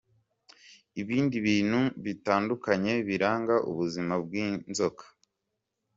Ibindi bintu bitandukanye biranga ubuzima bw’inzoka.